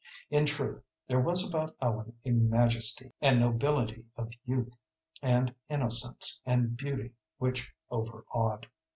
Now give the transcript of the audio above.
In truth, there was about Ellen a majesty and nobility of youth and innocence and beauty which overawed.